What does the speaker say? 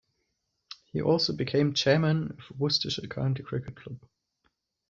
He also became chairman of Worcestershire County Cricket Club.